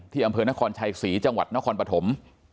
อำเภอนครชัยศรีจังหวัดนครปฐม